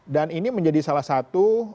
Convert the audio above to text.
dan ini menjadi salah satu